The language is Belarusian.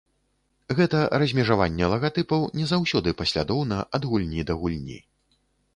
Гэта размежаванне лагатыпаў не заўсёды паслядоўна ад гульні да гульні.